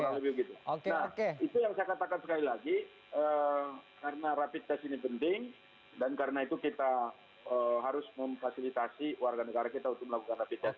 nah itu yang saya katakan sekali lagi karena rapid test ini penting dan karena itu kita harus memfasilitasi warga negara kita untuk melakukan rapid test